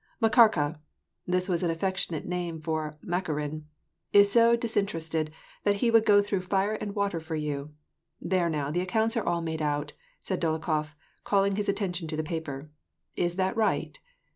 Makarka "— this was an affectionate nickname for Maka rin —" is so disinterested that he would go through fire and water for you. There now, the accounts are all made out," said Dolokhof, calling his attention to the paper. " Is that right